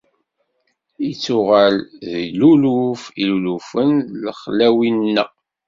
Ittuɣal d luluf n ilulufen di lexlawi-nneɣ.